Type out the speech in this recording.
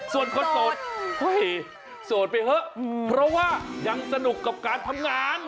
ส่วนคนโสดไปเถอะเพราะว่ายังสนุกกับการทำงาน